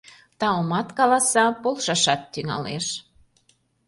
Таумат каласа, полшашат тӱҥалеш!